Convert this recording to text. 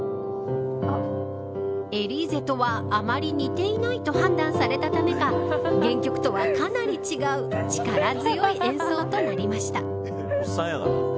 エリーゼとは、あまり似てないと判断されたためか原曲とはかなり違う力強い演奏となりました。